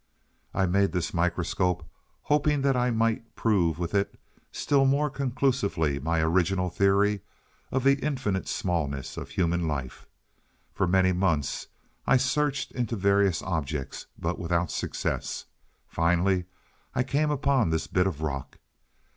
"I made this microscope hoping that I might prove with it still more conclusively my original theory of the infinite smallness of human life. For many months I searched into various objects, but without success. Finally I came upon this bit of rock."